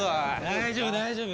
大丈夫大丈夫